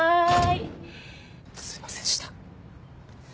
すいませんでした。